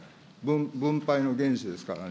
分配の原資ですからね。